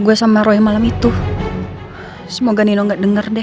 gue sama roy malam itu semoga nino nggak dengar deh